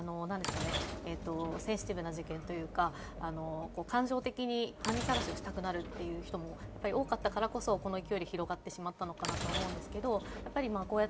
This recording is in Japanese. センシティブな事件というか感情的に犯人捜しをしたくなるという人も多かったからこそ勢いで広がってしまったのかなと思います。